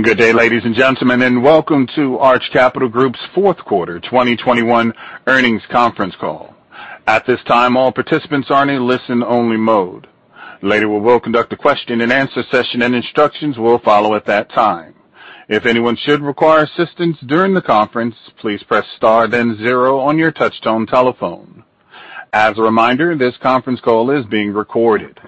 Good day, ladies and gentlemen, and welcome to Arch Capital Group's fourth quarter 2021 earnings conference call. At this time, all participants are in listen-only mode. Later we will conduct a question and answer session, and instructions will follow at that time. If anyone should require assistance during the conference, please press star then zero on your touchtone telephone. As a reminder, this conference call is being recorded.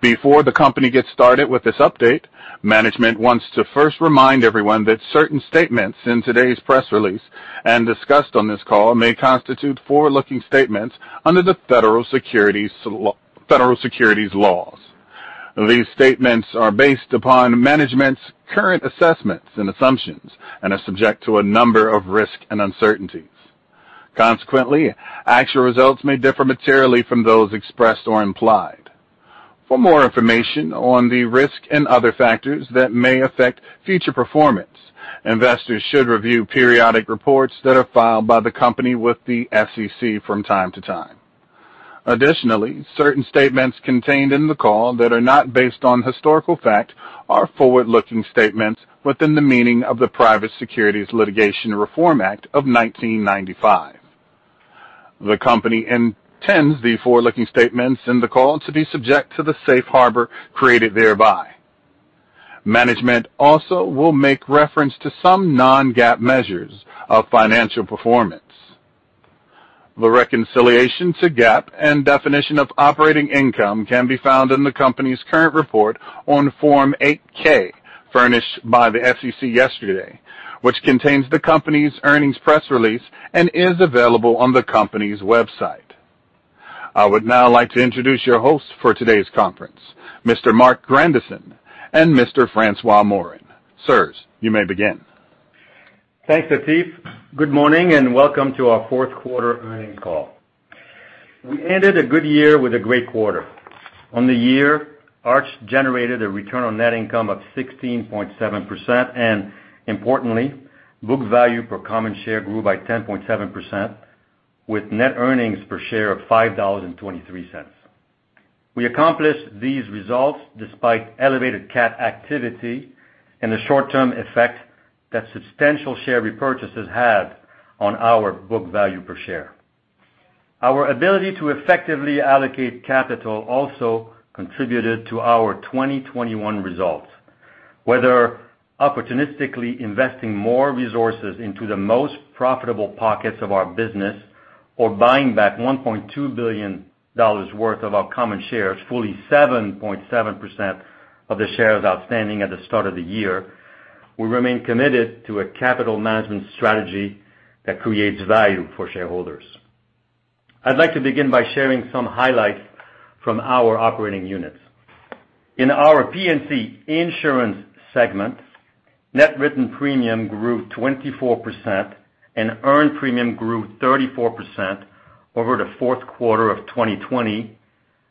Before the company gets started with this update, management wants to first remind everyone that certain statements in today's press release and discussed on this call may constitute forward-looking statements under the Federal Securities Laws. These statements are based upon management's current assessments and assumptions and are subject to a number of risks and uncertainties. Consequently, actual results may differ materially from those expressed or implied. For more information on the risk and other factors that may affect future performance, investors should review periodic reports that are filed by the company with the SEC from time to time. Additionally, certain statements contained in the call that are not based on historical fact are forward-looking statements within the meaning of the Private Securities Litigation Reform Act of 1995. The company intends the forward-looking statements in the call to be subject to the safe harbor created thereby. Management also will make reference to some non-GAAP measures of financial performance. The reconciliation to GAAP and definition of operating income can be found in the company's current report on Form 8-K, furnished by the SEC yesterday, which contains the company's earnings press release and is available on the company's website. I would now like to introduce your hosts for today's conference, Mr. Marc Grandisson and Mr. François Morin. Sirs, you may begin. Thanks, Atif. Good morning, and welcome to our fourth quarter earning call. We ended a good year with a great quarter. On the year, Arch generated a return on net income of 16.7%, and importantly, book value per common share grew by 10.7%, with net earnings per share of $5.23. We accomplished these results despite elevated cat activity and the short-term effect that substantial share repurchases had on our book value per share. Our ability to effectively allocate capital also contributed to our 2021 results. Whether opportunistically investing more resources into the most profitable pockets of our business or buying back $1.2 billion worth of our common shares, fully 7.7% of the shares outstanding at the start of the year, we remain committed to a capital management strategy that creates value for shareholders. I'd like to begin by sharing some highlights from our operating units. In our P&C insurance segment, net written premium grew 24%, and earned premium grew 34% over the fourth quarter of 2020,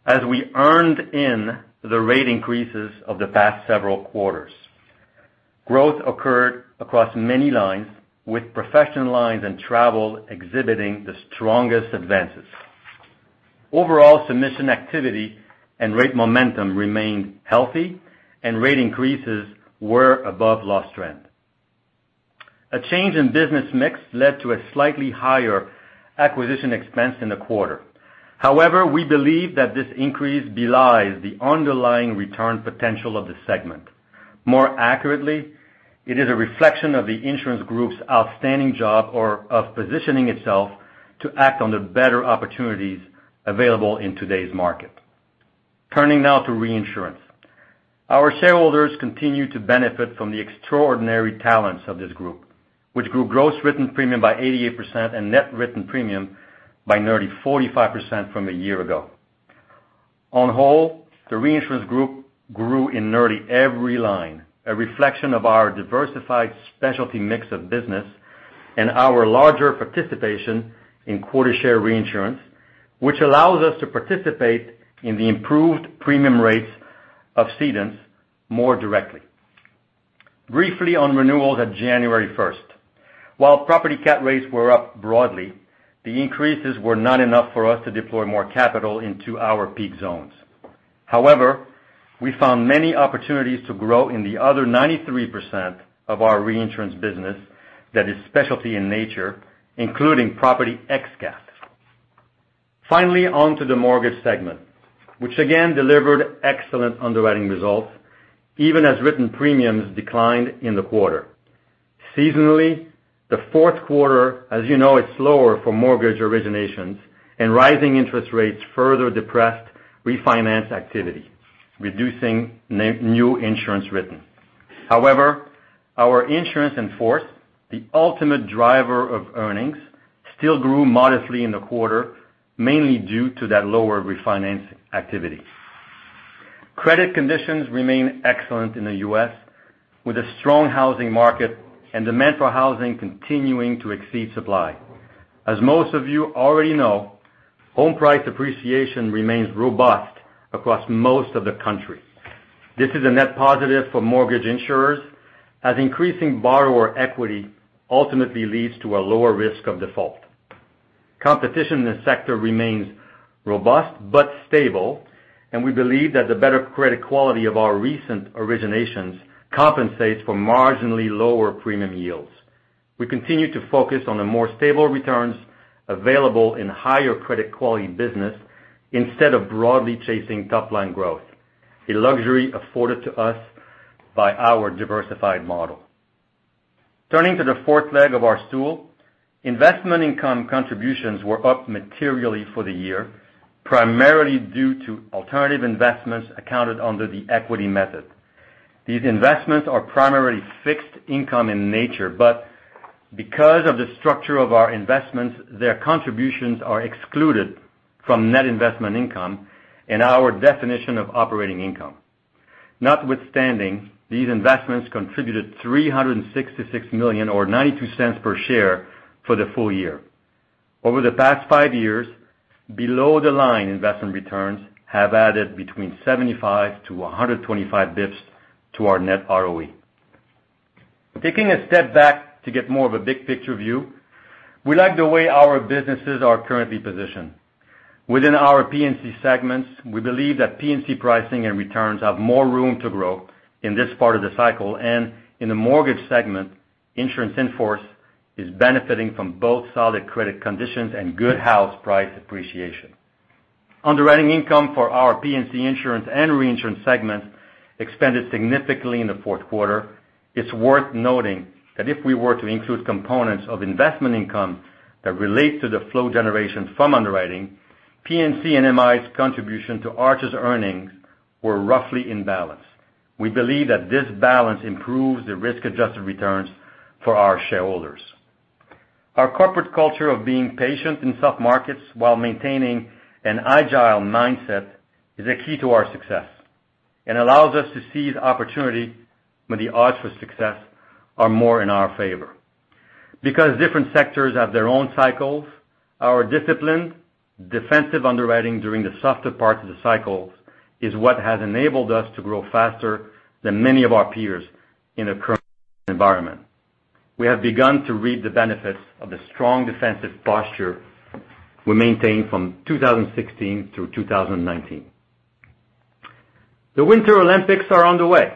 as we earned in the rate increases of the past several quarters. Growth occurred across many lines, with professional lines and travel exhibiting the strongest advances. Overall submission activity and rate momentum remained healthy, and rate increases were above loss trend. A change in business mix led to a slightly higher acquisition expense in the quarter. However, we believe that this increase belies the underlying return potential of the segment. More accurately, it is a reflection of the insurance group's outstanding job of positioning itself to act on the better opportunities available in today's market. Turning now to reinsurance. Our shareholders continue to benefit from the extraordinary talents of this group, which grew gross written premium by 88% and net written premium by nearly 45% from a year ago. On the whole, the reinsurance group grew in nearly every line, a reflection of our diversified specialty mix of business and our larger participation in quota share reinsurance, which allows us to participate in the improved premium rates of cedents more directly. Briefly on renewals at January 1st. While property cat rates were up broadly, the increases were not enough for us to deploy more capital into our peak zones. However, we found many opportunities to grow in the other 93% of our reinsurance business that is specialty in nature, including property ex-cat. Finally, on to the mortgage segment, which again delivered excellent underwriting results, even as written premiums declined in the quarter. Seasonally, the fourth quarter, as you know, is slower for mortgage originations, and rising interest rates further depressed refinance activity, reducing new insurance written. However, our insurance in force, the ultimate driver of earnings, still grew modestly in the quarter, mainly due to that lower refinance activity. Credit conditions remain excellent in the U.S., with a strong housing market and demand for housing continuing to exceed supply. As most of you already know, home price appreciation remains robust across most of the country. This is a net positive for mortgage insurers, as increasing borrower equity ultimately leads to a lower risk of default. Competition in this sector remains robust but stable, and we believe that the better credit quality of our recent originations compensates for marginally lower premium yields. We continue to focus on the more stable returns available in higher credit quality business instead of broadly chasing top line growth, a luxury afforded to us by our diversified model. Turning to the fourth leg of our stool, investment income contributions were up materially for the year, primarily due to alternative investments accounted under the equity method. These investments are primarily fixed income in nature, but because of the structure of our investments, their contributions are excluded from net investment income in our definition of operating income. Notwithstanding, these investments contributed $366 million or $0.92 per share for the full year. Over the past five years, below the line investment returns have added between 75-125 bps to our net ROE. Taking a step back to get more of a big picture view, we like the way our businesses are currently positioned. Within our P&C segments, we believe that P&C pricing and returns have more room to grow in this part of the cycle. In the mortgage segment, insurance in force is benefiting from both solid credit conditions and good house price appreciation. Underwriting income for our P&C insurance and reinsurance segments expanded significantly in the fourth quarter. It's worth noting that if we were to include components of investment income that relate to the flow generation from underwriting, P&C and MI's contribution to Arch's earnings were roughly in balance. We believe that this balance improves the risk-adjusted returns for our shareholders. Our corporate culture of being patient in soft markets while maintaining an agile mindset is a key to our success and allows us to seize opportunity when the odds for success are more in our favor. Because different sectors have their own cycles, our discipline, defensive underwriting during the softer parts of the cycles, is what has enabled us to grow faster than many of our peers in the current environment. We have begun to reap the benefits of the strong defensive posture we maintained from 2016 through 2019. The Winter Olympics are underway,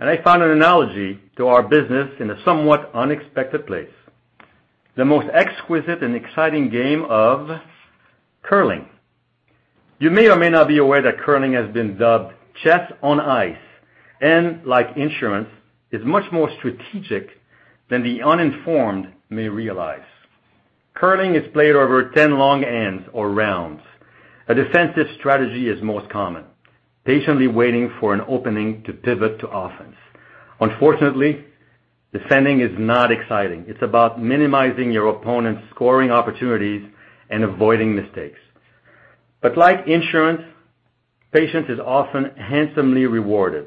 and I found an analogy to our business in a somewhat unexpected place, the most exquisite and exciting game of curling. You may or may not be aware that curling has been dubbed chess on ice, and like insurance is much more strategic than the uninformed may realize. Curling is played over 10 long ends or rounds. A defensive strategy is most common, patiently waiting for an opening to pivot to offense. Unfortunately, defending is not exciting. It's about minimizing your opponent's scoring opportunities and avoiding mistakes. Like insurance, patience is often handsomely rewarded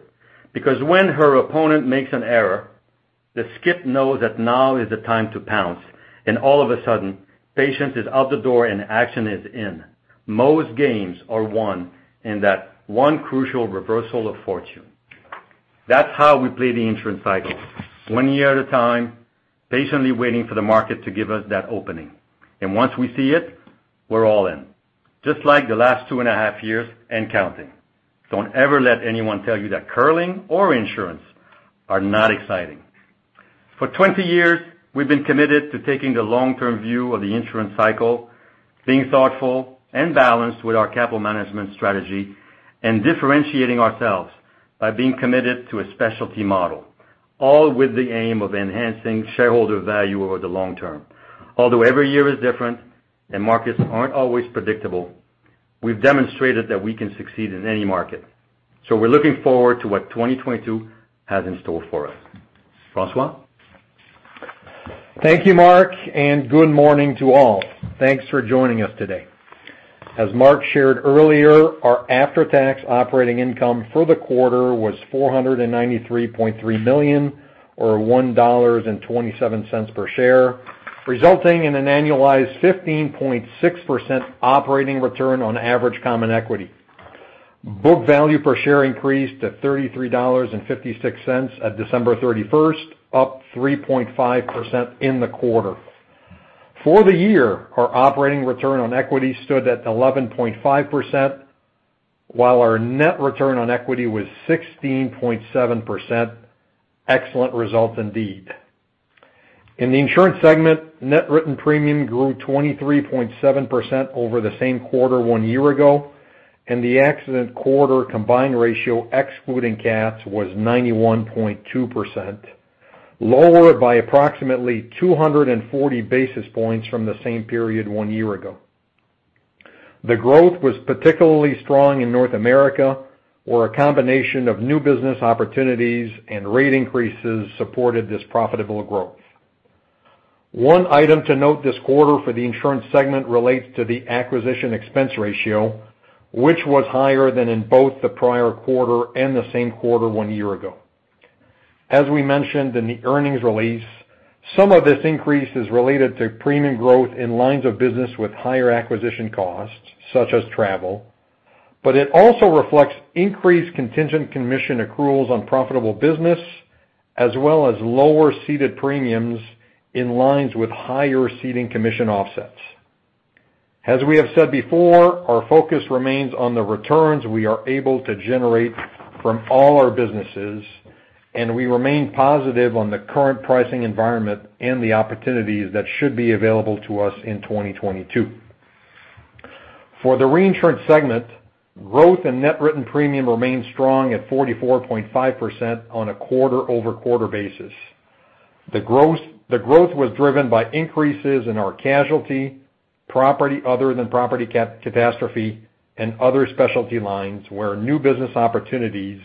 because when her opponent makes an error, the skip knows that now is the time to pounce, and all of a sudden, patience is out the door and action is in. Most games are won in that one crucial reversal of fortune. That's how we play the insurance cycle, one year at a time, patiently waiting for the market to give us that opening. Once we see it, we're all in. Just like the last two and a half years and counting. Don't ever let anyone tell you that curling or insurance are not exciting. For 20 years, we've been committed to taking the long-term view of the insurance cycle, being thoughtful and balanced with our capital management strategy, and differentiating ourselves by being committed to a specialty model, all with the aim of enhancing shareholder value over the long term. Although every year is different and markets aren't always predictable, we've demonstrated that we can succeed in any market. We're looking forward to what 2022 has in store for us. François? Thank you, Marc, and good morning to all. Thanks for joining us today. As Marc shared earlier, our after-tax operating income for the quarter was $493.3 million or $1.27 per share, resulting in an annualized 15.6% operating return on average common equity. Book value per share increased to $33.56 at December 31st, up 3.5% in the quarter. For the year, our operating return on equity stood at 11.5%, while our net return on equity was 16.7%. Excellent results indeed. In the insurance segment, net written premium grew 23.7% over the same quarter one year ago, and the accident year combined ratio excluding cats was 91.2%, lower by approximately 240 basis points from the same period one year ago. The growth was particularly strong in North America, where a combination of new business opportunities and rate increases supported this profitable growth. One item to note this quarter for the insurance segment relates to the acquisition expense ratio, which was higher than in both the prior quarter and the same quarter one year ago. As we mentioned in the earnings release, some of this increase is related to premium growth in lines of business with higher acquisition costs, such as travel. It also reflects increased contingent commission accruals on profitable business, as well as lower ceded premiums in lines with higher ceding commission offsets. As we have said before, our focus remains on the returns we are able to generate from all our businesses, and we remain positive on the current pricing environment and the opportunities that should be available to us in 2022. For the reinsurance segment, growth in net written premium remained strong at 44.5% on a quarter-over-quarter basis. The growth was driven by increases in our casualty, property other than property cat catastrophe, and other specialty lines where new business opportunities,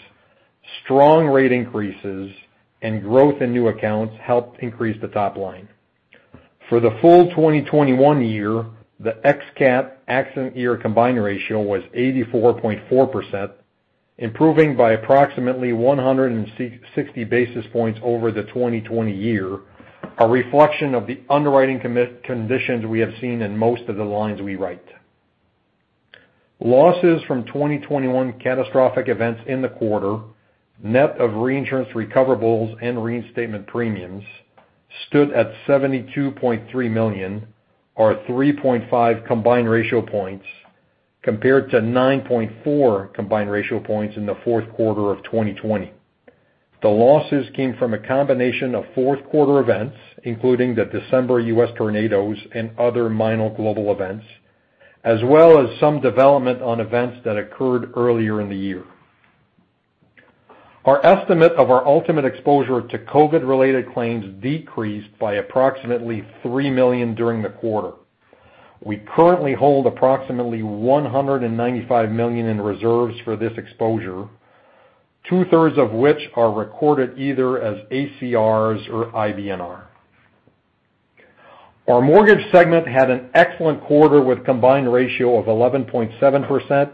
strong rate increases, and growth in new accounts helped increase the top line. For the full 2021 year, the ex-cat accident year combined ratio was 84.4%, improving by approximately 160 basis points over the 2020 year, a reflection of the underwriting conditions we have seen in most of the lines we write. Losses from 2021 catastrophic events in the quarter, net of reinsurance recoverables and reinstatement premiums, stood at $72.3 million, or 3.5% combined ratio points, compared to 9.4% combined ratio points in the fourth quarter of 2020. The losses came from a combination of fourth quarter events, including the December U.S. tornadoes and other minor global events, as well as some development on events that occurred earlier in the year. Our estimate of our ultimate exposure to COVID-related claims decreased by approximately $3 million during the quarter. We currently hold approximately $195 million in reserves for this exposure, two-thirds of which are recorded either as ACRs or IBNR. Our mortgage segment had an excellent quarter with combined ratio of 11.7%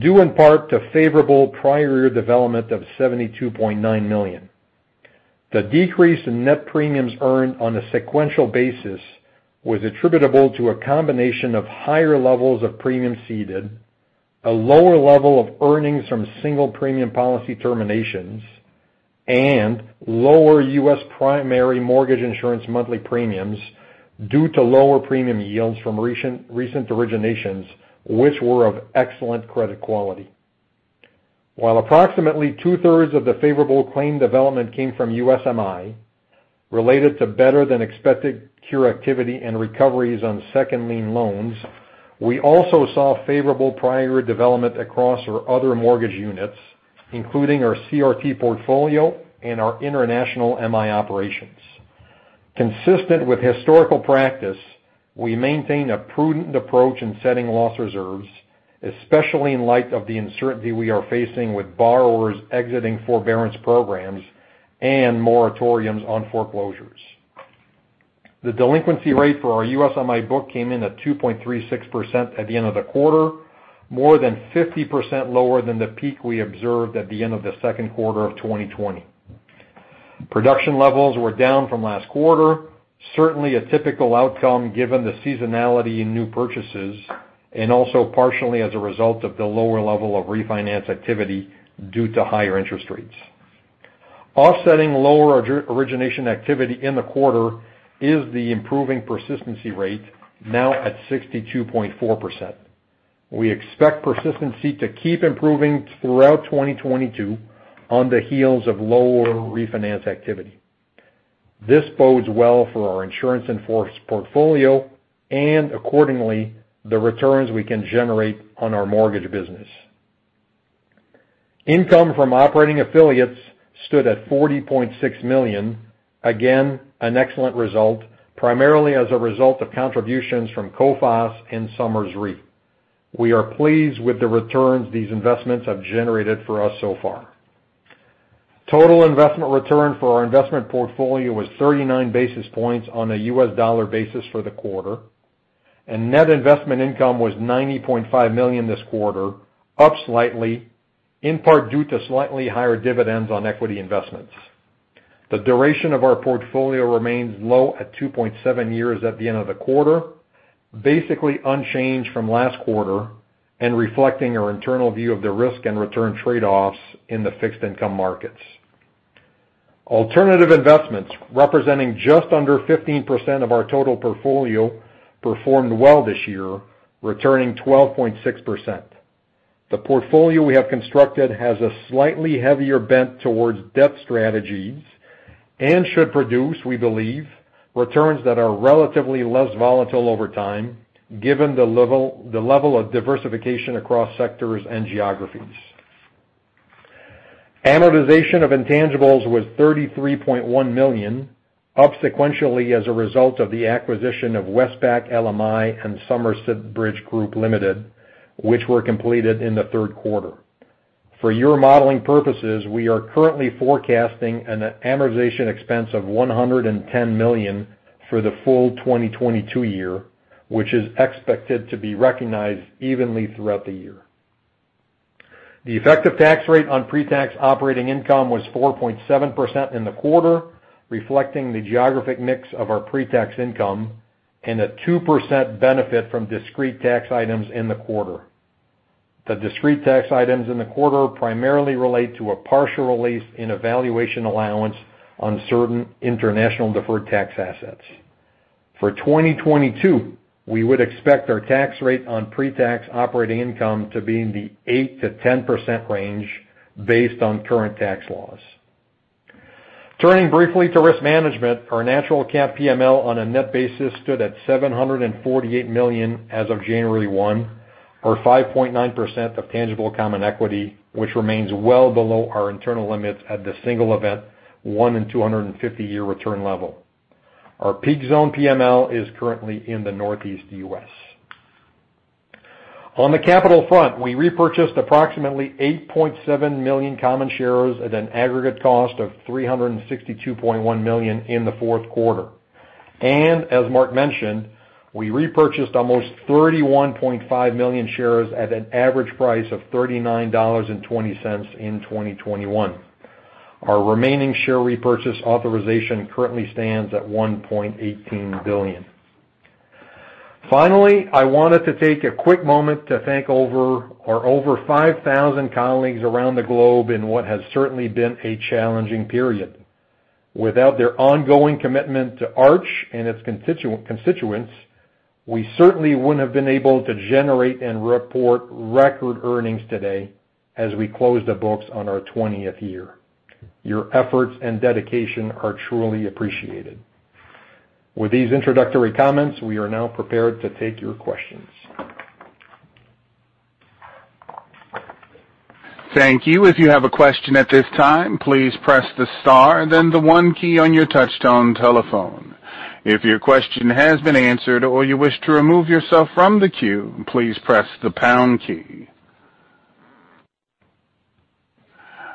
due in part to favorable prior year development of $72.9 million. The decrease in net premiums earned on a sequential basis was attributable to a combination of higher levels of premium ceded, a lower level of earnings from single premium policy terminations, and lower U.S. primary mortgage insurance monthly premiums due to lower premium yields from recent originations, which were of excellent credit quality. While approximately 2/3 of the favorable claim development came from USMI, related to better-than-expected cure activity and recoveries on second lien loans, we also saw favorable prior year development across our other mortgage units, including our CRP portfolio and our international MI operations. Consistent with historical practice, we maintain a prudent approach in setting loss reserves, especially in light of the uncertainty we are facing with borrowers exiting forbearance programs and moratoriums on foreclosures. The delinquency rate for our USMI book came in at 2.36% at the end of the quarter, more than 50% lower than the peak we observed at the end of the second quarter of 2020. Production levels were down from last quarter, certainly a typical outcome given the seasonality in new purchases, and also partially as a result of the lower level of refinance activity due to higher interest rates. Offsetting lower origination activity in the quarter is the improving persistency rate now at 62.4%. We expect persistency to keep improving throughout 2022 on the heels of lower refinance activity. This bodes well for our insurance in force portfolio and accordingly, the returns we can generate on our mortgage business. Income from operating affiliates stood at $40.6 million. Again, an excellent result, primarily as a result of contributions from Coface and Somers Re. We are pleased with the returns these investments have generated for us so far. Total investment return for our investment portfolio was 39 basis points on a U.S. dollar basis for the quarter, and net investment income was $90.5 million this quarter, up slightly, in part due to slightly higher dividends on equity investments. The duration of our portfolio remains low at 2.7 years at the end of the quarter, basically unchanged from last quarter and reflecting our internal view of the risk and return trade-offs in the fixed income markets. Alternative investments, representing just under 15% of our total portfolio, performed well this year, returning 12.6%. The portfolio we have constructed has a slightly heavier bent towards debt strategies and should produce, we believe, returns that are relatively less volatile over time given the level of diversification across sectors and geographies. Amortization of intangibles was $33.1 million, up sequentially as a result of the acquisition of Westpac LMI and Somerset Bridge Group Limited, which were completed in the third quarter. For your modeling purposes, we are currently forecasting an amortization expense of $110 million for the full 2022 year, which is expected to be recognized evenly throughout the year. The effective tax rate on pre-tax operating income was 4.7% in the quarter, reflecting the geographic mix of our pre-tax income and a 2% benefit from discrete tax items in the quarter. The discrete tax items in the quarter primarily relate to a partial release in a valuation allowance on certain international deferred tax assets. For 2022, we would expect our tax rate on pre-tax operating income to be in the 8%-10% range based on current tax laws. Turning briefly to risk management, our natural cat PML on a net basis stood at $748 million as of January 1, or 5.9% of tangible common equity, which remains well below our internal limits at the single event one in 250-year return level. Our peak zone PML is currently in the Northeast U.S. On the capital front, we repurchased approximately 8.7 million common shares at an aggregate cost of $362.1 million in the fourth quarter. As Marc mentioned, we repurchased almost 31.5 million shares at an average price of $39.20 in 2021. Our remaining share repurchase authorization currently stands at $1.18 billion. Finally, I wanted to take a quick moment to thank our over 5,000 colleagues around the globe in what has certainly been a challenging period. Without their ongoing commitment to Arch and its constituents, we certainly wouldn't have been able to generate and report record earnings today as we close the books on our 20th year. Your efforts and dedication are truly appreciated. With these introductory comments, we are now prepared to take your questions. Thank you. If you have a question at this time, please press the star then the one key on your touchtone telephone. If your question has been answered or you wish to remove yourself from the queue, please press the pound key.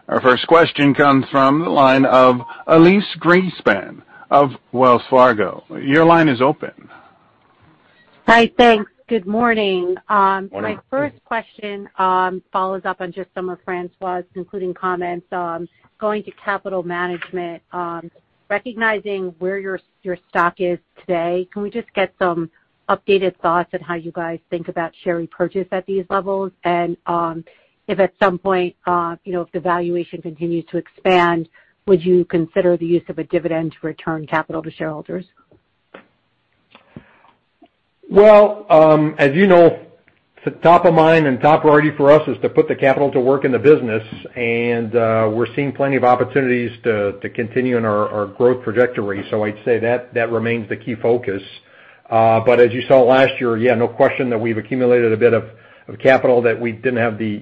Our first question comes from the line of Elyse Greenspan of Wells Fargo. Your line is open. Hi. Thanks. Good morning. Morning. My first question follows up on just some of François' concluding comments. Going to capital management, recognizing where your stock is today, can we just get some updated thoughts on how you guys think about share repurchase at these levels? If at some point if the valuation continues to expand, would you consider the use of a dividend to return capital to shareholders? Well, as you know, the top of mind and top priority for us is to put the capital to work in the business. We're seeing plenty of opportunities to continue on our growth trajectory. I'd say that remains the key focus. As you saw last year, yeah, no question that we've accumulated a bit of capital that we didn't have the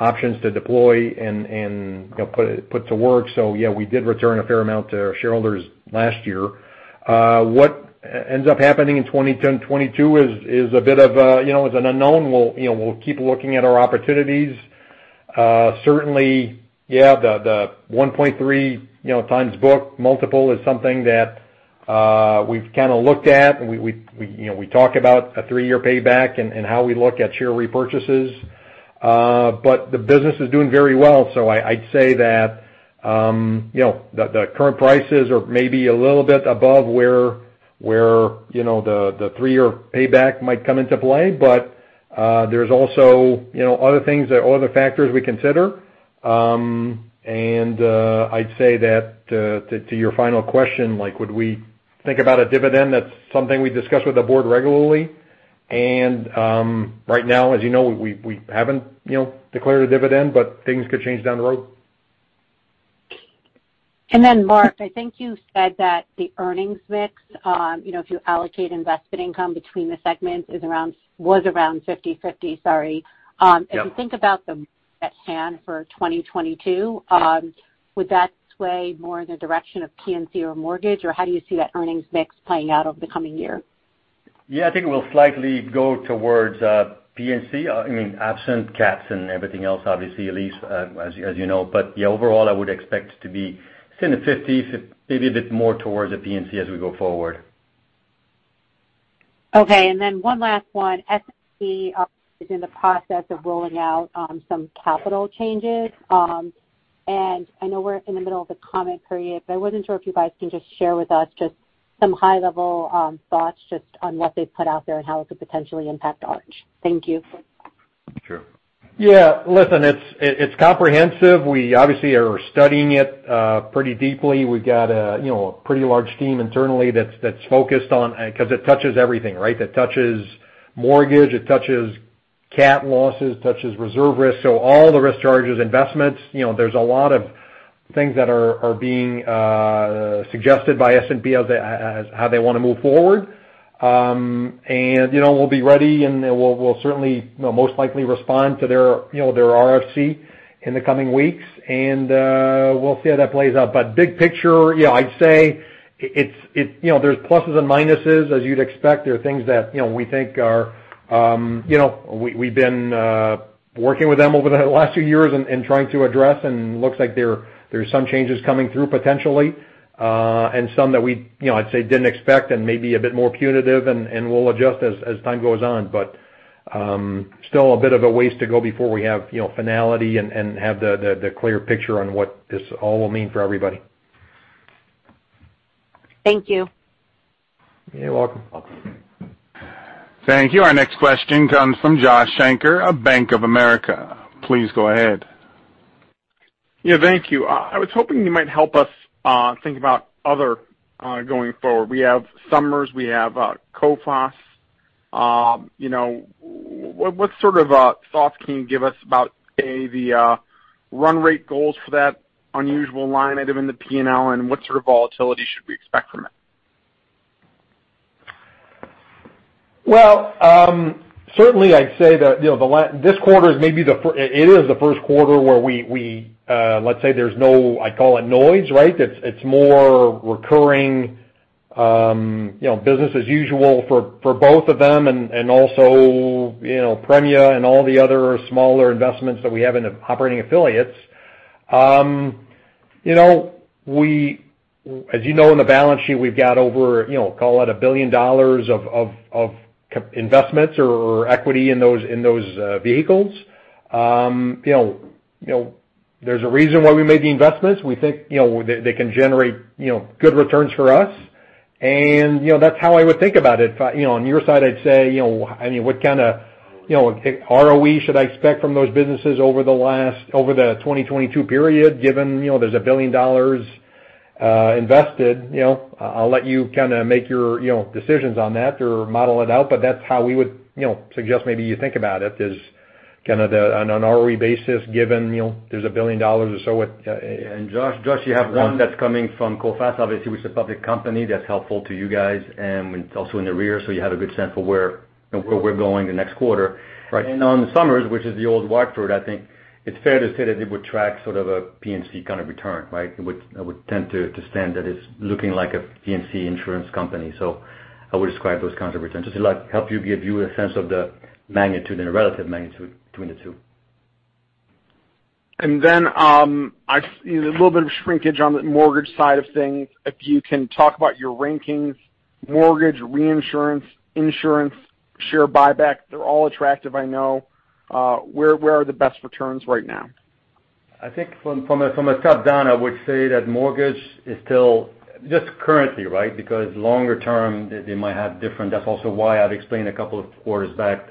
options to deploy and put to work. Yeah, we did return a fair amount to our shareholders last year. What ends up happening in 2022 is a bit of an unknown. We'll keep looking at our opportunities. Certainly, yeah, the 1.3x book multiple is something that we've kind of looked at. We, you know, we talk about a three-year payback and how we look at share repurchases. The business is doing very well. I'd say that, you know, the current prices are maybe a little bit above where, you know, the three-year payback might come into play. There's also, you know, other things, other factors we consider. I'd say that, to your final question, like, would we think about a dividend? That's something we discuss with the board regularly. Right now, as you know, we haven't, you know, declared a dividend, but things could change down the road. Marc, I think you said that the earnings mix, you know, if you allocate investment income between the segments was around 50/50, sorry. Yeah. If you think about the path ahead for 2022, would that sway more in the direction of P&C or mortgage, or how do you see that earnings mix playing out over the coming year? Yeah, I think it will slightly go towards P&C, I mean, absent cats and everything else, obviously, Elyse, as you know. Yeah, overall, I would expect it to be in the 50s, if maybe a bit more towards the P&C as we go forward. Okay. One last one. S&P is in the process of rolling out some capital changes, and I know we're in the middle of the comment period, but I wasn't sure if you guys can just share with us just some high level thoughts on what they put out there and how it could potentially impact Arch. Thank you. Sure. Yeah. Listen, it's comprehensive. We obviously are studying it pretty deeply. We've got you know a pretty large team internally that's focused on. 'Cause it touches everything, right? It touches mortgage, it touches cat losses, touches reserve risk. So all the risk charges, investments, you know, there's a lot of things that are being suggested by S&P as how they wanna move forward. You know, we'll be ready, and we'll certainly, you know, most likely respond to their RFC in the coming weeks. We'll see how that plays out. Big picture, you know, I'd say it's, you know, there's pluses and minuses, as you'd expect. There are things that, you know, we think are, we’ve been working with them over the last few years and trying to address, and looks like there are some changes coming through potentially, and some that we, you know, I’d say didn’t expect and may be a bit more punitive and we’ll adjust as time goes on. Still a bit of a ways to go before we have, you know, finality and have the clear picture on what this all will mean for everybody. Thank you. You're welcome. Thank you. Our next question comes from Joshua Shanker of Bank of America. Please go ahead. Yeah, thank you. I was hoping you might help us think about others going forward. We have Somers, we have Coface. You know, what sort of thoughts can you give us about the run rate goals for that unusual line item in the P&L, and what sort of volatility should we expect from it? Well, certainly I'd say that, you know, this quarter is maybe it is the first quarter where we let's say there's no, I call it, noise, right? It's more recurring, you know, business as usual for both of them and also, you know, Premia and all the other smaller investments that we have in the operating affiliates. You know, as you know, in the balance sheet, we've got over, you know, call it $1 billion of investments or equity in those vehicles. You know, there's a reason why we made the investments. We think, you know, they can generate, you know, good returns for us. You know, that's how I would think about it. You know, on your side, I'd say, you know, I mean, what kind of, you know, ROE should I expect from those businesses over the 2022 period, given, you know, there's $1 billion invested, you know. I'll let you kind of make your, you know, decisions on that or model it out, but that's how we would, you know, suggest maybe you think about it is kind of on an ROE basis, given, you know, there's $1 billion or so with- Josh, you have one that's coming from Coface, obviously, which is a public company that's helpful to you guys, and it's also in the re, so you have a good sense for where we're going the next quarter. Right. On the Somers, which is the old Watford, I think it's fair to say that it would track sort of a P&C kind of return, right? It would tend to say that it's looking like a P&C insurance company. I would describe those kind of returns. Just to like help give you a sense of the magnitude and the relative magnitude between the two. I see a little bit of shrinkage on the mortgage side of things. If you can talk about your rankings, mortgage, reinsurance, insurance, share buyback, they're all attractive, I know. Where are the best returns right now? I think from a top-down, I would say that mortgage is still just currently, right? Because longer term, they might have different. That's also why I'd explained a couple of quarters back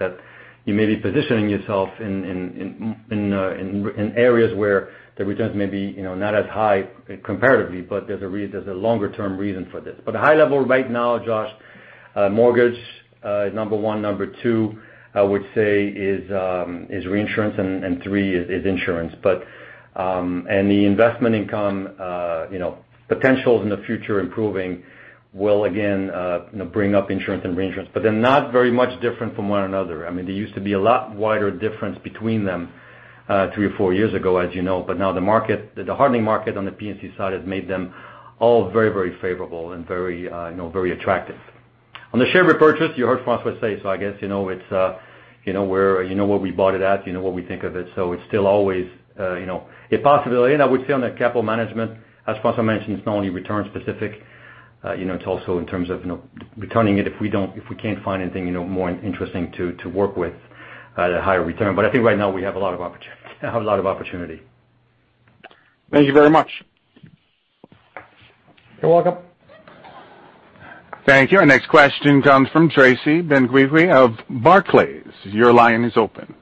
that you may be positioning yourself in areas where the returns may be, you know, not as high comparatively, but there's a reason, there's a longer-term reason for this. The high level right now, Josh, mortgage is number one. Number two, I would say is reinsurance, and three is insurance. The investment income, you know, potentials in the future improving will again bring up insurance and reinsurance. They're not very much different from one another. I mean, there used to be a lot wider difference between them, three or four years ago, as you know. Now the market, the hardening market on the P&C side has made them all very, very favorable and very, you know, very attractive. On the share repurchase, you heard François say, I guess, you know, it's, you know, we're, you know, where we bought it at, you know, what we think of it. It's still always, you know, a possibility. I would say on the capital management, as François mentioned, it's not only return specific, you know, it's also in terms of, you know, returning it if we don't, if we can't find anything, you know, more interesting to work with at a higher return. I think right now we have a lot of opportunity. Thank you very much. You're welcome. Thank you. Our next question comes from Tracy Benguigui of Barclays. Your line is open.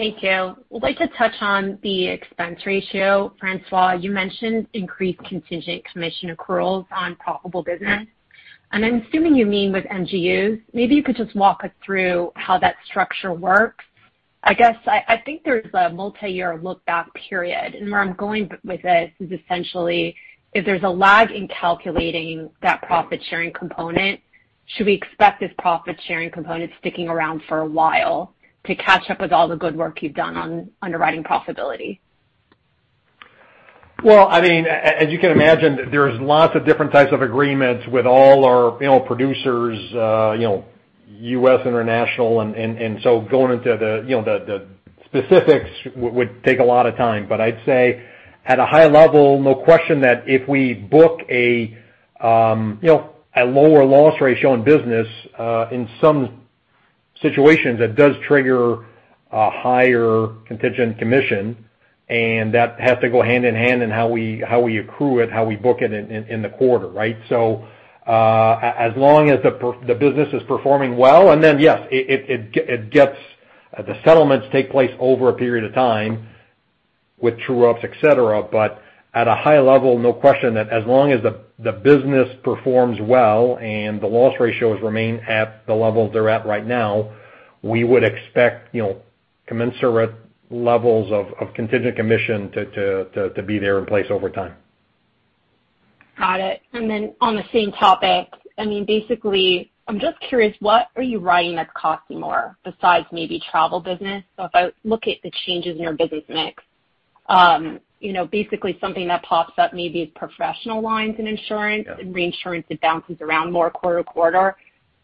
Thank you. I'd like to touch on the expense ratio. François, you mentioned increased contingent commission accruals on profitable business, and I'm assuming you mean with MGUs. Maybe you could just walk us through how that structure works. I guess I think there's a multi-year look-back period. Where I'm going with this is essentially, if there's a lag in calculating that profit-sharing component, should we expect this profit-sharing component sticking around for a while to catch up with all the good work you've done on underwriting profitability? Well, I mean, as you can imagine, there's lots of different types of agreements with all our, you know, producers, you know, U.S., international, and so going into the, you know, the specifics would take a lot of time. But I'd say at a high level, no question that if we book a lower loss ratio in business in some situations, that does trigger a higher contingent commission, and that has to go hand in hand in how we accrue it, how we book it in the quarter, right? As long as the business is performing well, and then yes, it gets the settlements take place over a period of time with true-ups, et cetera. At a high level, no question that as long as the business performs well and the loss ratios remain at the level they're at right now, we would expect, you know, commensurate levels of contingent commission to be there in place over time. Got it. On the same topic, I mean, basically, I'm just curious, what are you writing that's costing more besides maybe travel business? If I look at the changes in your business mix, you know, basically something that pops up maybe is professional lines in insurance. Yeah. In reinsurance, it bounces around more quarter to quarter.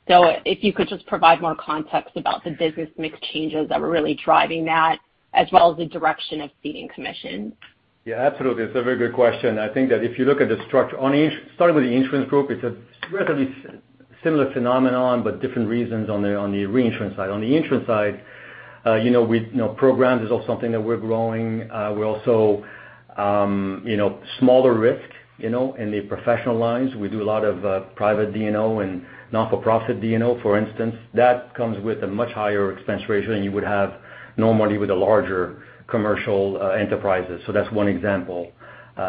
If you could just provide more context about the business mix changes that are really driving that as well as the direction of ceding commission. Yeah, absolutely. It's a very good question. I think that if you look at the structure on insurance starting with the insurance group, it's a relatively similar phenomenon, but different reasons on the reinsurance side. On the insurance side, you know, E&S program is also something that we're growing. We're also smaller risk in the professional lines. We do a lot of private D&O and not-for-profit D&O, for instance. That comes with a much higher expense ratio than you would have normally with the larger commercial enterprises. So that's one example.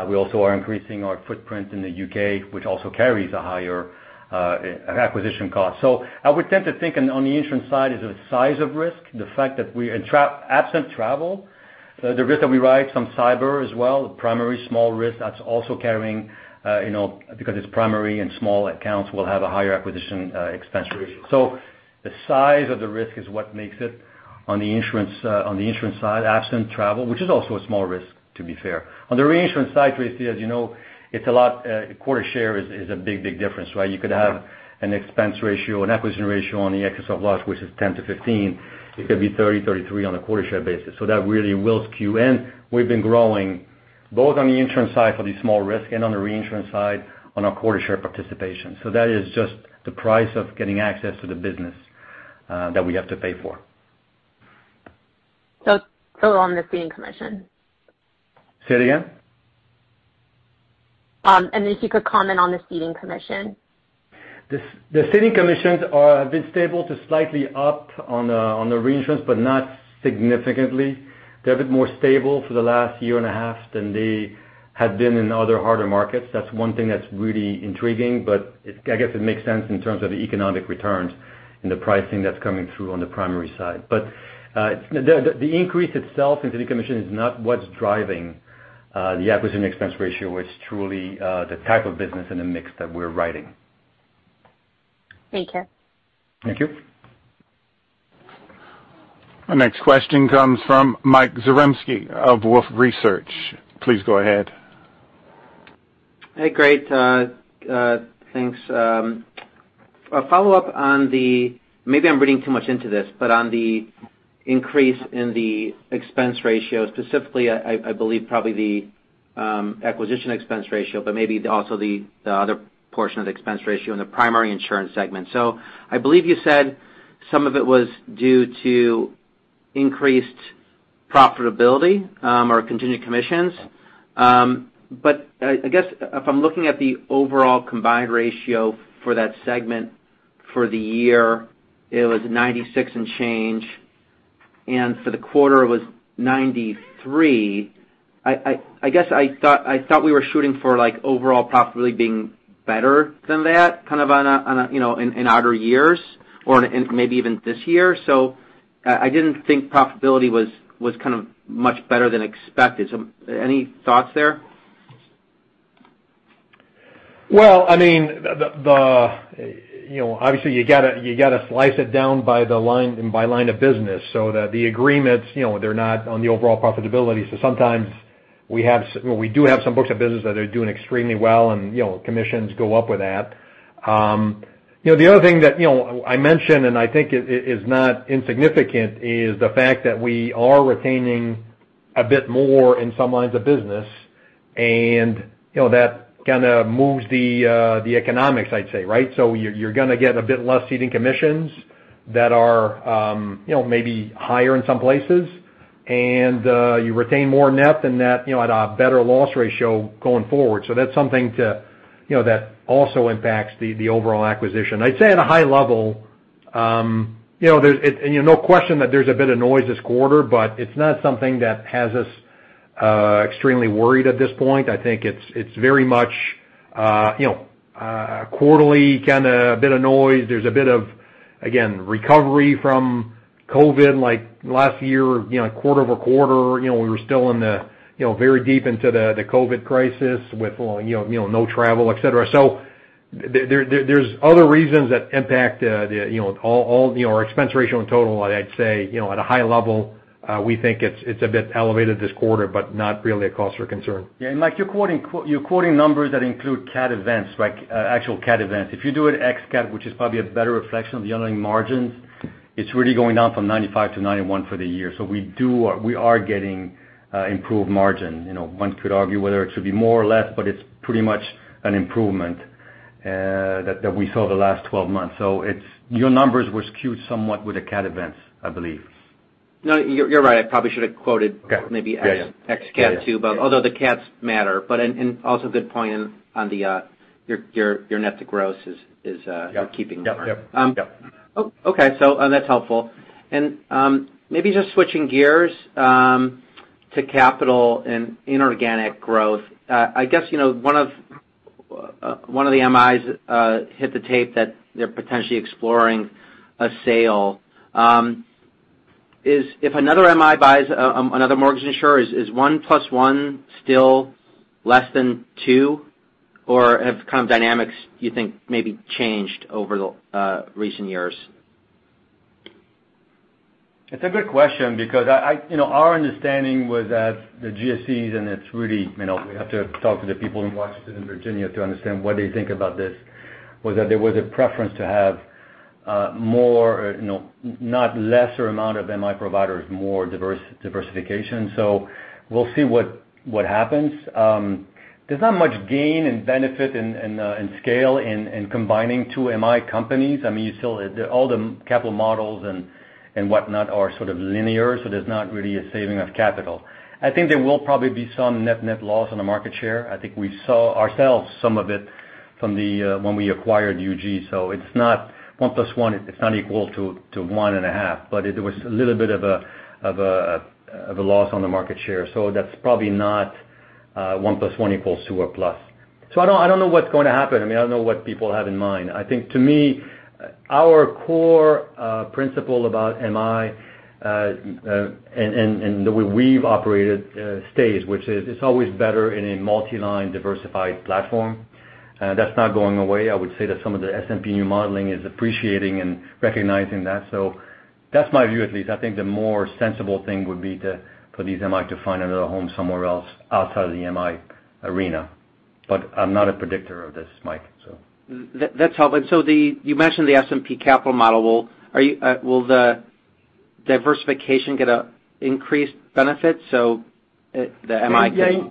We also are increasing our footprint in the U.K., which also carries a higher acquisition cost. I would tend to think on the insurance side is the size of risk, the fact that we underwrite absent travel, the risk that we write some cyber as well, the primary small risk that's also carrying because it's primary and small accounts will have a higher acquisition expense ratio. The size of the risk is what makes it on the insurance side, absent travel, which is also a small risk, to be fair. On the reinsurance side, Tracy, as you know, it's a lot quota share is a big difference, right? You could have an expense ratio, an acquisition ratio on the excess of loss, which is 10%-15%. It could be 30%-33% on a quota share basis. That really will skew in. We've been growing both on the insurance side for the small risk and on the reinsurance side on our quota share participation. That is just the price of getting access to the business, that we have to pay for. On the ceding commission. Say it again. If you could comment on the ceding commission. Ceding commissions are a bit stable to slightly up on the reinsurance, but not significantly. They're a bit more stable for the last year and a half than they had been in other harder markets. That's one thing that's really intriguing, but it makes sense in terms of the economic returns and the pricing that's coming through on the primary side. The increase itself in the commission is not what's driving the acquisition expense ratio. It's truly the type of business and the mix that we're writing. Thank you. Thank you. Our next question comes from Mike Zaremski of Wolfe Research. Please go ahead. Hey, great. Thanks. A follow-up on maybe I'm reading too much into this, but on the increase in the expense ratio, specifically, I believe probably the acquisition expense ratio, but maybe also the other portion of the expense ratio in the primary insurance segment. I believe you said some of it was due to increased profitability or continued commissions. But I guess if I'm looking at the overall combined ratio for that segment for the year, it was 96% and change, and for the quarter it was 93%. I guess I thought we were shooting for like overall profitability being better than that kind of on a you know in outer years or in maybe even this year. I didn't think profitability was kind of much better than expected. Any thoughts there? Well, I mean, you know, obviously you gotta slice it down by the line and by line of business so that the agreements, you know, they're not on the overall profitability. Sometimes we have well, we do have some books of business that are doing extremely well, and, you know, commissions go up with that. You know, the other thing that, you know, I mentioned and I think is not insignificant is the fact that we are retaining a bit more in some lines of business, and, you know, that kind of moves the economics, I'd say, right? You're gonna get a bit less ceding commissions that are, you know, maybe higher in some places, and you retain more net than that, you know, at a better loss ratio going forward. That's something too that also impacts the overall acquisition. I'd say at a high level, there's no question that there's a bit of noise this quarter, but it's not something that has us extremely worried at this point. I think it's very much quarterly kind of bit of noise. There's a bit of again recovery from COVID like last year quarter-over-quarter. We were still in the very deep into the COVID crisis with no travel, et cetera. There's other reasons that impact all our expense ratio in total, I'd say. You know, at a high level, we think it's a bit elevated this quarter, but not really a cause for concern. Yeah. Mike, you're quoting numbers that include cat events, like actual cat events. If you do an ex-cat, which is probably a better reflection of the underlying margins, it's really going down from 95%-91% for the year. We do we are getting improved margin. You know, one could argue whether it should be more or less, but it's pretty much an improvement that we saw the last 12 months. Your numbers were skewed somewhat with the cat events, I believe. No, you're right. I probably should have quoted. Okay. Yeah. Maybe ex-cat too. Yeah. Although the cats matter, good point on your net to gross is Yeah. Keeping current. Yeah. Oh, okay. That's helpful. Maybe just switching gears to capital and inorganic growth. I guess, you know, one of the MIs hit the tape that they're potentially exploring a sale. If another MI buys another mortgage insurer, is one plus one still less than two or have kind of dynamics you think maybe changed over the recent years? It's a good question because our understanding was that the GSEs, and it's really we have to talk to the people in Washington and Virginia to understand what they think about this, was that there was a preference to have more, no, not lesser amount of MI providers, more diversification. We'll see what happens. There's not much gain and benefit in scale in combining two MI companies. I mean, you still all the capital models and whatnot are sort of linear, so there's not really a saving of capital. I think there will probably be some net loss on the market share. I think we saw ourselves some of it from when we acquired UGC. It's not 1 + 1. It's not equal to 1.5, but it was a little bit of a loss on the market share. That's probably not one plus one equals two or plus. I don't know what's going to happen. I mean, I don't know what people have in mind. I think to me, our core principle about MI and the way we've operated stays, which is it's always better in a multi-line diversified platform. That's not going away. I would say that some of the S&P new modeling is appreciating and recognizing that. That's my view at least. I think the more sensible thing would be for these MI to find another home somewhere else outside of the MI arena. I'm not a predictor of this, Mike, so. That's helpful. You mentioned the S&P capital model. Will the diversification get a increased benefit, the MI- Yeah.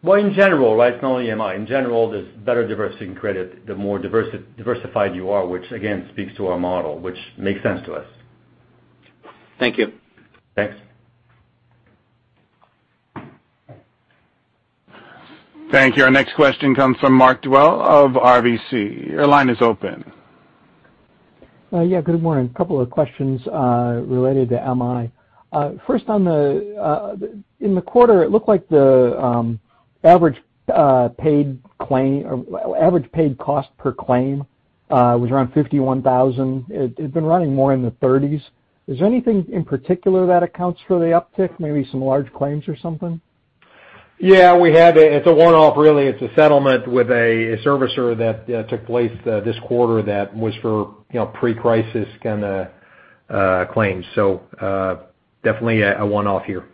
Well, in general, right? It's not only MI. In general, there's better diversity in credit the more diversified you are, which again, speaks to our model, which makes sense to us. Thank you. Thanks. Thank you. Our next question comes from Mark Dwelle of RBC. Your line is open. Yeah, good morning. A couple of questions related to MI. First on the, in the quarter, it looked like the average paid claim or average paid cost per claim was around $51,000. It's been running more in the $30s. Is there anything in particular that accounts for the uptick? Maybe some large claims or something? Yeah, it's a one-off really. It's a settlement with a servicer that took place this quarter that was for, you know, pre-crisis kinda claims. Definitely a one-off here.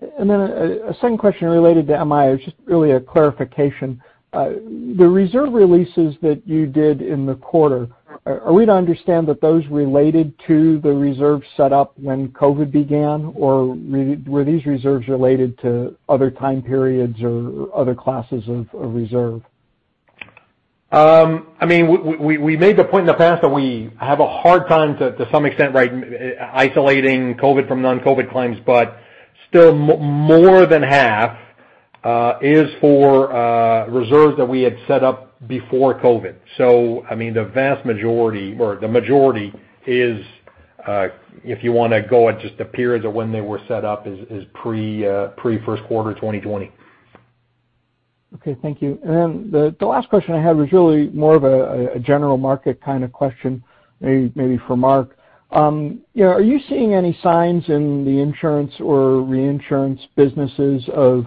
Second question related to MI. It's just really a clarification. The reserve releases that you did in the quarter, are we to understand that those related to the reserve set up when COVID began or were these reserves related to other time periods or other classes of reserve? I mean, we made the point in the past that we have a hard time, to some extent, right, isolating COVID from non-COVID claims, but still more than half is for reserves that we had set up before COVID. I mean, the vast majority or the majority is, if you wanna go at just the periods of when they were set up, pre-first quarter of 2020. Okay, thank you. The last question I had was really more of a general market kind of question, maybe for Marc. You know, are you seeing any signs in the insurance or reinsurance businesses of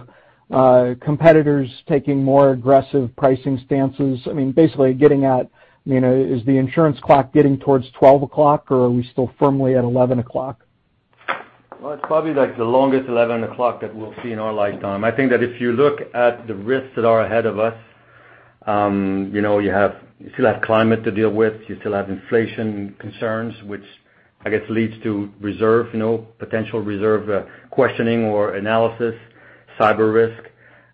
competitors taking more aggressive pricing stances? I mean, basically getting at, you know, is the insurance clock getting towards 12 o'clock, or are we still firmly at 11 o'clock? Well, it's probably like the longest 11 o'clock that we'll see in our lifetime. I think that if you look at the risks that are ahead of us, you know, you have, you still have climate to deal with, you still have inflation concerns, which I guess leads to reserve, you know, potential reserve questioning or analysis, cyber risk,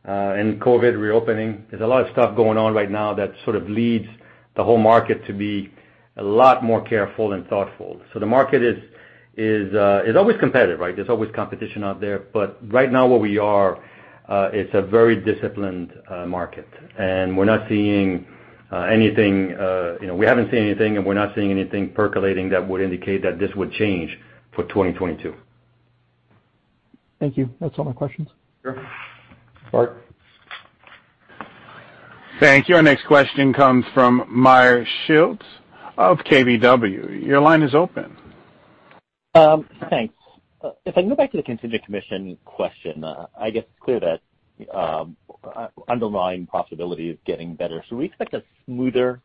and COVID reopening. There's a lot of stuff going on right now that sort of leads the whole market to be a lot more careful and thoughtful. The market is always competitive, right? There's always competition out there. Right now where we are, it's a very disciplined market. We're not seeing anything, you know, we haven't seen anything and we're not seeing anything percolating that would indicate that this would change for 2022. Thank you. That's all my questions. Sure. Mark. Thank you. Our next question comes from Meyer Shields of KBW. Your line is open. Thanks. If I go back to the contingent commission question, I guess it's clear that underlying profitability is getting better. We expect a smoother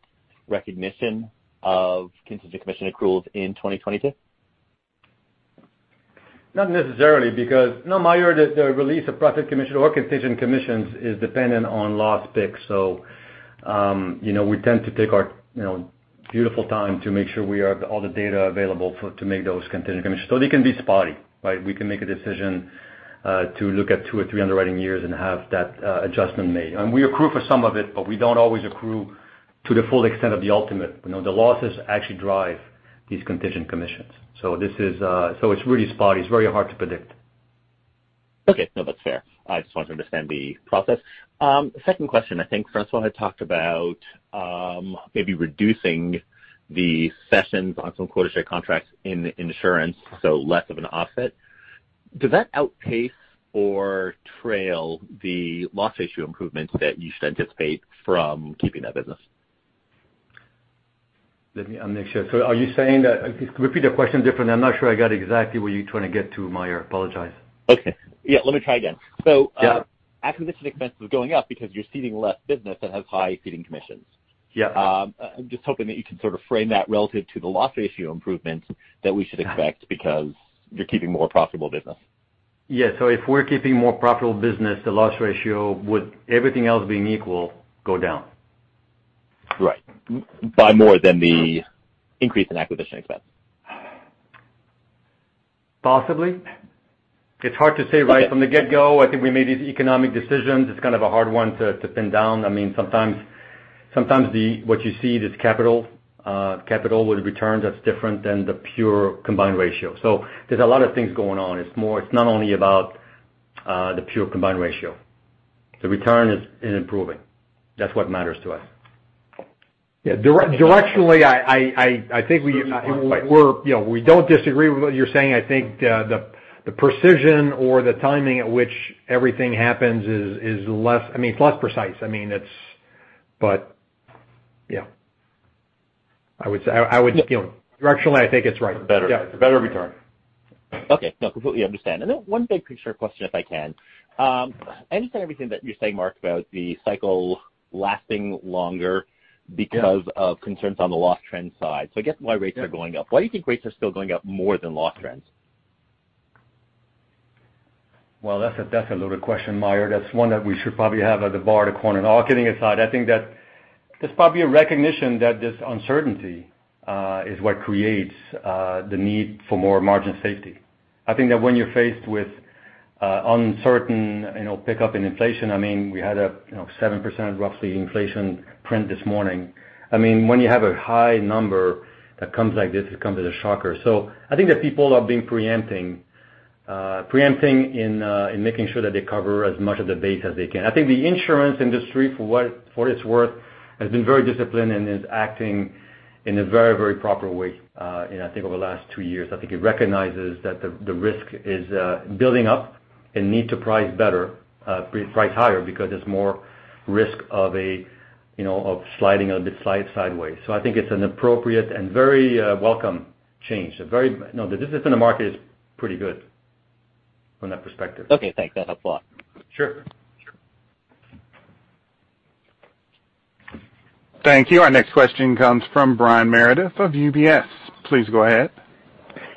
recognition of contingent commission accruals in 2022? Not necessarily, because no, Meyer, the release of profit commission or contingent commissions is dependent on loss picks. You know, we tend to take our, you know, beautiful time to make sure we have all the data available to make those contingent commissions. They can be spotty, right? We can make a decision to look at two or three underwriting years and have that adjustment made. We accrue for some of it, but we don't always accrue to the full extent of the ultimate. You know, the losses actually drive these contingent commissions. It's really spotty. It's very hard to predict. Okay. No, that's fair. I just wanted to understand the process. Second question. I think François had talked about, maybe reducing the sessions on some quota share contracts in insurance, so less of an offset. Does that outpace or trail the loss ratio improvements that you anticipate from keeping that business? I'm not sure. Are you saying that? Can you repeat the question differently? I'm not sure I got exactly what you're trying to get to, Meyer. I apologize. Okay. Yeah, let me try again. Yeah. Acquisition expense is going up because you're ceding less business that has high ceding commissions. Yeah. I'm just hoping that you can sort of frame that relative to the loss ratio improvements that we should expect because you're keeping more profitable business. Yes. If we're keeping more profitable business, the loss ratio would, everything else being equal, go down. Right. By more than the increase in acquisition expense. Possibly. It's hard to say right from the get-go. I think we made these economic decisions. It's kind of a hard one to pin down. I mean, sometimes what you see, this capital with returns that's different than the pure combined ratio. So there's a lot of things going on. It's not only about the pure combined ratio. The return is improving. That's what matters to us. Yeah. Directionally, I think we- That's right. You know, we don't disagree with what you're saying. I think the precision or the timing at which everything happens is less precise. Yeah, I would, you know, directionally, I think it's right. Better. Yeah. Better return. Okay. No, I completely understand. Then one big-picture question, if I can. I understand everything that you say, Mark, about the cycle lasting longer because- Yeah Of concerns on the loss trend side. I get why rates are going up. Why do you think rates are still going up more than loss trends? Well, that's a loaded question, Meyer. That's one that we should probably have at the bar to corner. No kidding aside, I think that there's probably a recognition that this uncertainty is what creates the need for more margin safety. I think that when you're faced with uncertain, you know, pickup in inflation, I mean, we had, you know, 7% roughly inflation print this morning. I mean, when you have a high number that comes like this, it comes as a shocker. I think that people are being preemptive in making sure that they cover as much of the base as they can. I think the insurance industry, for what it's worth, has been very disciplined and is acting in a very proper way, you know, I think over the last two years. I think it recognizes that the risk is building up and need to price better, price higher because there's more risk of a, you know, of sliding a bit sideways. I think it's an appropriate and very welcome change. No, the discipline in the market is pretty good from that perspective. Okay, thanks. That helps a lot. Sure. Thank you. Our next question comes from Brian Meredith of UBS. Please go ahead.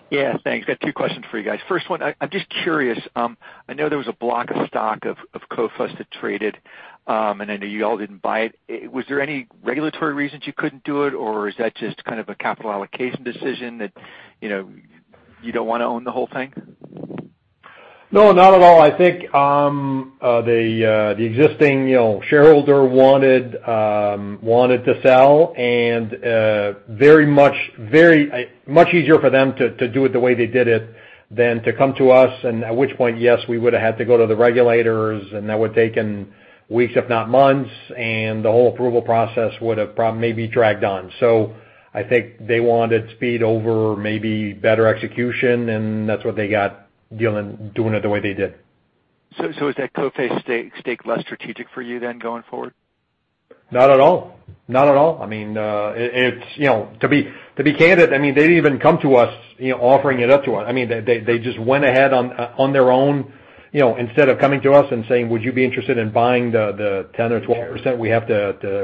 Yeah, thanks. Got two questions for you guys. First one, I'm just curious. I know there was a block of stock of Coface that traded, and I know you all didn't buy it. Was there any regulatory reasons you couldn't do it, or is that just kind of a capital allocation decision that, you know, you don't wanna own the whole thing? No, not at all. I think the existing, you know, shareholder wanted to sell, and very much easier for them to do it the way they did it than to come to us. At which point, yes, we would've had to go to the regulators, and that would've taken weeks, if not months. The whole approval process would've maybe dragged on. I think they wanted speed over maybe better execution, and that's what they got doing it the way they did. Is that Coface stake less strategic for you than going forward? Not at all. I mean, it's, you know, to be candid, I mean, they didn't even come to us, you know, offering it up to us. I mean, they just went ahead on their own, you know, instead of coming to us and saying, "Would you be interested in buying the 10% or 12%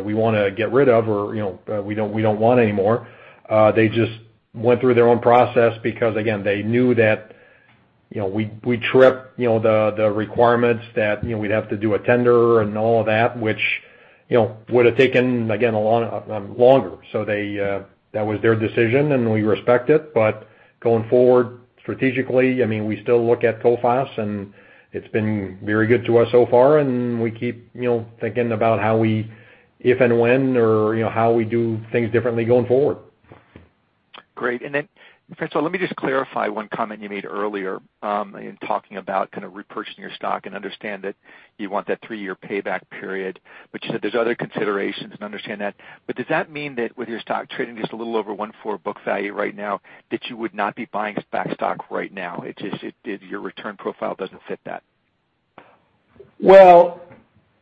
we wanna get rid of or, you know, we don't want anymore." They just went through their own process because, again, they knew that, you know, we trip, you know, the requirements that, you know, we'd have to do a tender and all of that, which, you know, would've taken, again, a lot longer. That was their decision, and we respect it. Going forward, strategically, I mean, we still look at Coface, and it's been very good to us so far, and we keep, you know, thinking about how we, if and when or, you know, how we do things differently going forward. Great. Then, François, let me just clarify one comment you made earlier, in talking about kind of repurchasing your stock, and I understand that you want that three-year payback period, but you said there's other considerations, and I understand that. But does that mean that with your stock trading just a little over 1.4 book value right now, that you would not be buying back stock right now? Your return profile doesn't fit that? Well,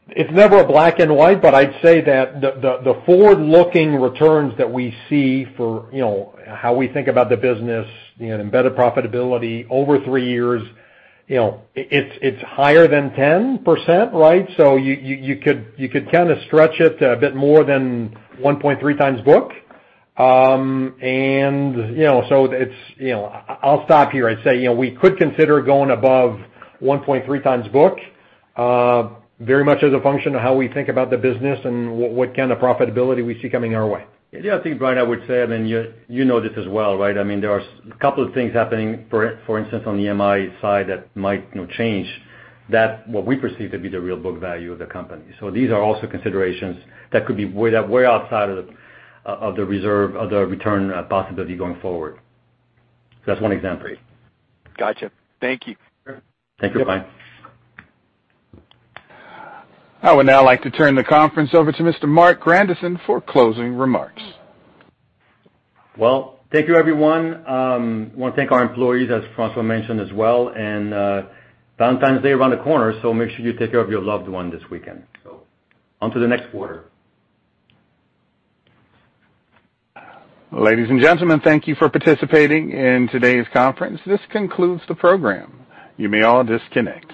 it's never a black and white, but I'd say that the forward-looking returns that we see for, you know, how we think about the business, you know, embedded profitability over three years, you know, it's higher than 10%, right? You could kind of stretch it a bit more than 1.3x book. I'll stop here and say, you know, we could consider going above 1.3x book very much as a function of how we think about the business and what kind of profitability we see coming our way. Yeah, I think, Brian, I would say, I mean, you know this as well, right? I mean, there are a couple of things happening, for instance, on the MI side that might, you know, change that, what we perceive to be the real book value of the company. These are also considerations that could be way outside of the, of the reserve, of the return possibility going forward. That's one example. Gotcha. Thank you. Thank you, Brian. I would now like to turn the conference over to Mr. Marc Grandisson for closing remarks. Well, thank you, everyone. Wanna thank our employees, as François mentioned as well. Valentine's Day around the corner, so make sure you take care of your loved one this weekend. Onto the next quarter. Ladies and gentlemen, thank you for participating in today's conference. This concludes the program. You may all disconnect.